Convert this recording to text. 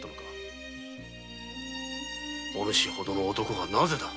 お主ほどの男がなぜだ。